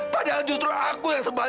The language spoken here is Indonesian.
padahal justru aku yang sebaliknya aku